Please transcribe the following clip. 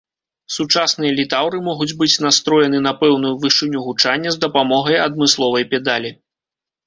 Сучасныя літаўры могуць быць настроены на пэўную вышыню гучання з дапамогай адмысловай педалі.